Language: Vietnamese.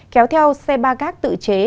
kéo theo xe ba gác tự chế